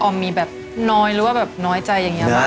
มีแบบน้อยหรือว่าแบบน้อยใจอย่างนี้บ้าง